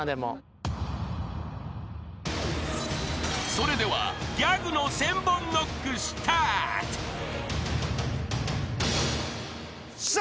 ［それではギャグの千本ノックスタート］っしゃ！